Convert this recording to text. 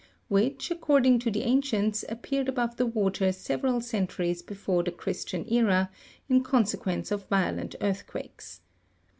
193), which, according to the ancients, appeared above the water several centuries before the Christian era, in con sequence of violent earthquakes.